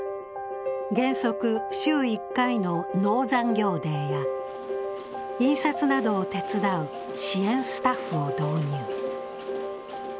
原則週１回のノー残業デーや印刷などを手伝う支援スタッフを導入。